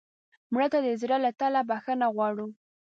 مړه ته د زړه له تله بښنه غواړو